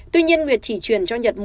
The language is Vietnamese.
tuy nhiên nguyệt chỉ truyền cho nhật